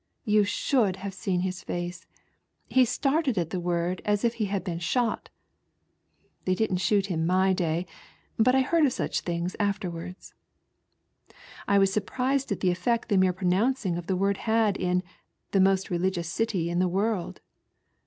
you should have seen his face, he started at the word aa if he had been shot. (They didn't shoot in my day, but I heard of such things afterwards.) I was surprised at the effect the mere pronouncing of the word had in " the most religious city in the world."